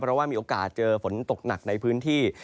เพราะว่ามีโอกาสเจอฝนตกหนักในพื้นที่